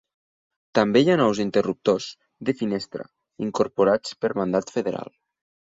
També hi ha nous interruptors de finestra incorporats per mandat federal.